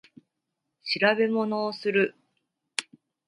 調べ物をする